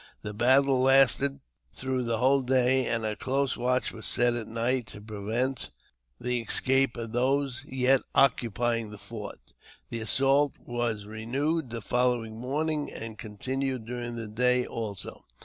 The battle lasted through the whole day, and a close watch was set at night to prevent the escape of those yet occupying the fort. The assault was renewed the following morning, and continued during that day also.